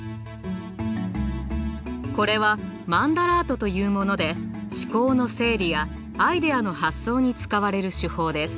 これはマンダラートというもので思考の整理やアイデアの発想に使われる手法です。